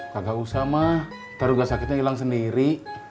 gak usah mak taruh gak sakitnya hilang sendiri